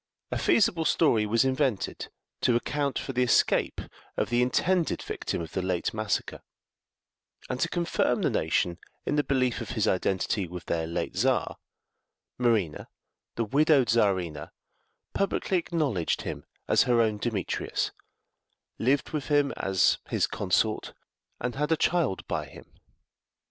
A feasible story was invented to account for the escape of the intended victim of the late massacre; and to confirm the nation in the belief of his identity with their late Czar, Marina, the widowed Czarina, publicly acknowledged him as her own Demetrius, lived with him as his consort, and had a child by him.